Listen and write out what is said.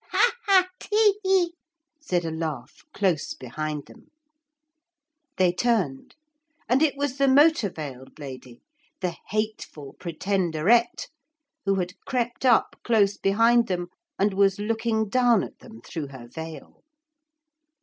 'Ha ha tee hee!' said a laugh close behind them. They turned. And it was the motor veiled lady, the hateful Pretenderette, who had crept up close behind them, and was looking down at them through her veil.